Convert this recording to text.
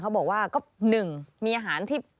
เขาบอกว่าก็๑มีอาหารที่